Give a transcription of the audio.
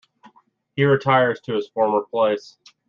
He retires to his former place.